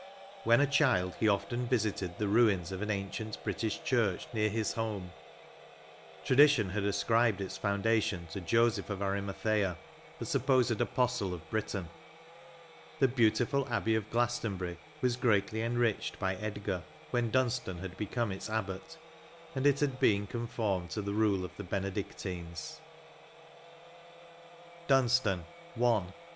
When a child, he often visited the ruins of an ancient British church near his home ; tradition had ascribed its foundation to Joseph of Arimathea, the supposed apostle of Britain. The beautiful abbey of Glastonbury was greatly enriched by £dgar when Dunstan had become its abbot, and it had been conformed to the rule of the Bene dictines. 131 LXY. DUN8TAN. — I.